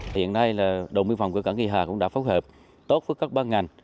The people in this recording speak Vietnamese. hiện nay là đồn biên phòng cửa cảng kỳ hà cũng đã phối hợp tốt với các ban ngành